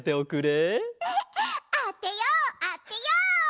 あてようあてよう！